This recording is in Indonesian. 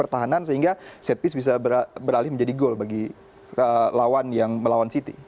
pertahanan sehingga set piece bisa beralih menjadi gol bagi lawan yang melawan city